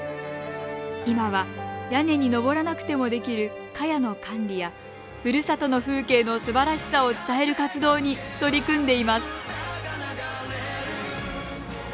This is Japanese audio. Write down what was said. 今は屋根に登らなくてもできるかやの管理やふるさとの風景のすばらしさを伝える活動に取り組んでいます。